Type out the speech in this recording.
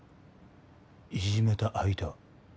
いじめた相手は？